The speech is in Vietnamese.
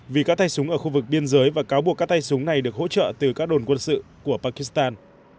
vì các tay súng ở khu vực biên giới và cáo buộc các tay súng này được hỗ trợ từ các đồn quân sự của pakistan